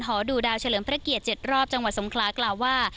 ดูดาวเฉลิมพระเกียรติ๗รอบจังหวัดสงคลากล่าวว่า